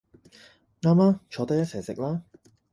啱吖，坐低一齊食啦